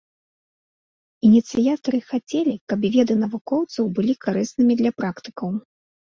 Ініцыятары хацелі, каб веды навукоўцаў былі карыснымі для практыкаў.